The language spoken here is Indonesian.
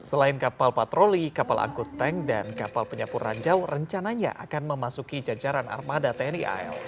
selain kapal patroli kapal angkut tank dan kapal penyapur ranjau rencananya akan memasuki jajaran armada tni al